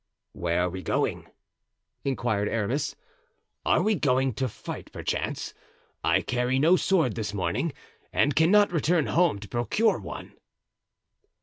"Where are we going?" inquired Aramis; "are we going to fight, perchance? I carry no sword this morning and cannot return home to procure one."